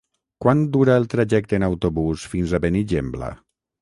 Quant dura el trajecte en autobús fins a Benigembla?